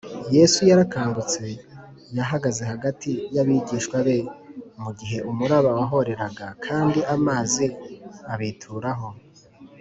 yesu yarakangutse yahagaze hagati y’abigishwa be mu gihe umuraba wahoreraga kandi amazi abituraho,